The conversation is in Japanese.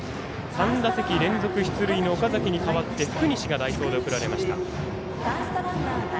３打席連続出塁の岡崎に代わって福西が代走で送られました。